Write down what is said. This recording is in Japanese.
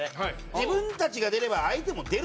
自分たちが出れば、相手も出る？